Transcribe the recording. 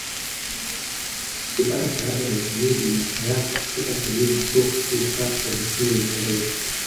Alipata Shahada ya Uzamili ya Sayansi katika Kemia Chuo Kikuu Salford nchini Uingereza